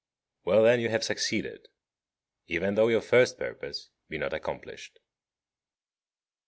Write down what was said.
Well, then, you have succeeded, even though your first purpose be not accomplished.